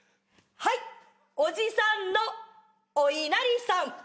はいおじさんのおいなりさん。